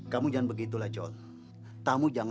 kamu jangan begitulah john